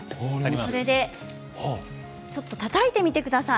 それでちょっとたたいてみてください。